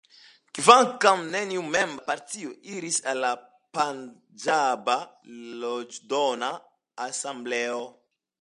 Kvankam, neniu membro de la partio iris al la Panĝaba Leĝdona-Asembleo.